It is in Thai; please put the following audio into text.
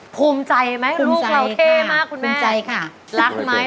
ภูมิใจไหมลูกเราเท่มากคุณแม่คุณแม่คุณแม่ค่ะภูมิใจค่ะ